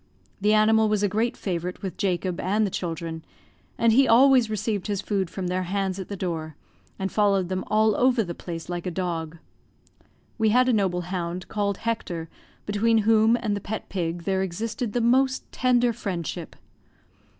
The animal was a great favorite with Jacob and the children, and he always received his food from their hands at the door, and followed them all over the place like a dog. We had a noble hound called Hector, between whom and the pet pig there existed the most tender friendship.